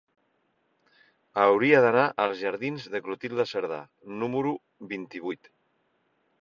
Hauria d'anar als jardins de Clotilde Cerdà número vint-i-vuit.